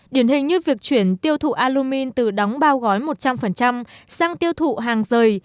điển hình như việc chuyển tiêu thụ alumin từ đóng bao gói một trăm linh sang tiêu thụ hàng rời